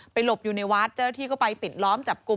หลบอยู่ในวัดเจ้าหน้าที่ก็ไปปิดล้อมจับกลุ่ม